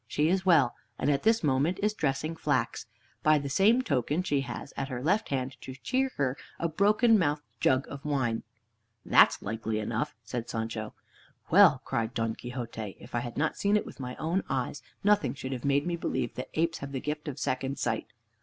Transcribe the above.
She is well, and at this moment is dressing flax. By the same token, she has at her left hand, to cheer her, a broken mouthed jug of wine." "That's like enough," said Sancho. "Well," cried Don Quixote, "if I had not seen it with my own eyes, nothing should have made me believe that apes have the gift of second sight.